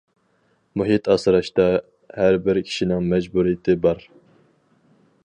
مۇھىت ئاسراشتا ھەر بىر كىشىنىڭ مەجبۇرىيىتى بار.